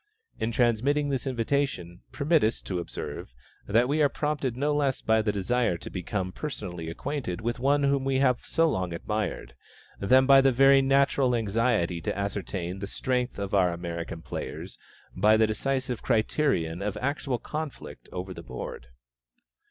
In transmitting this invitation, permit us to observe, that we are prompted no less by the desire to become personally acquainted with one whom we have so long admired, than by the very natural anxiety to ascertain the strength of our American players by the decisive criterion of actual conflict over the board.